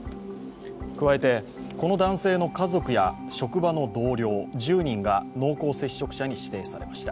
加えて、この男性の家族や職場の同僚１０人が濃厚接触者に指定されました。